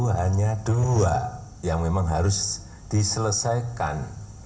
hanya dua yang memang harus diselesaikan